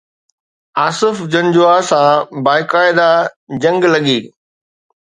آصف جنجوعه سان باقاعده جنگ لڳي.